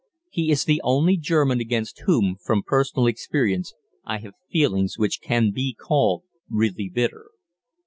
He is the only German against whom, from personal experience, I have feelings which can be called really bitter.